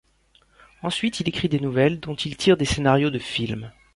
Ensuite il écrit des nouvelles dont il tire des scénarios de films.